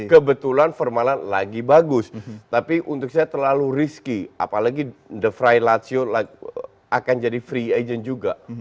kebetulan firmalen lagi bagus tapi untuk saya terlalu risky apalagi de vrijlazio akan jadi free agent juga